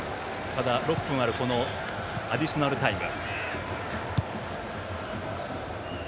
ただ、６分あるアディショナルタイム。